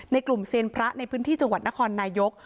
กลุ่มเซียนพระในพื้นที่จังหวัดนครนายก